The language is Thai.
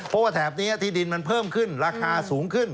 เพราะว่าแถบนี้ที่ดินมันเพิ่มขึ้นราคาสูงขึ้น